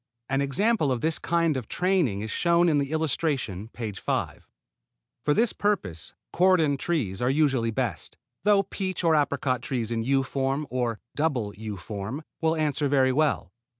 An example of this kind of training is shown in the illustration, page 5. For this purpose cordon trees are usually best; though peach or apricot trees in U form or double U form will answer very well.